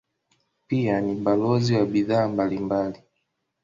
Pia ni balozi wa bidhaa mbalimbali.